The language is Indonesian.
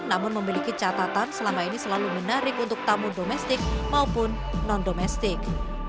namun memiliki catatan selama ini selalu menarik untuk tamu domestik maupun non domestik